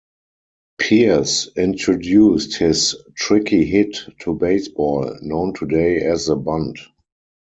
Pearce introduced his "tricky hit" to baseball, known today as the bunt.